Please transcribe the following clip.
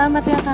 selamat ya tante